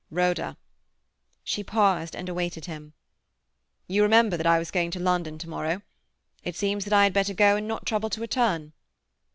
"Rhoda!" She paused and awaited him. "You remember that I was going to London to morrow. It seems that I had better go and not trouble to return."